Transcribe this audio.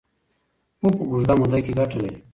خو په اوږده موده کې ګټه لري.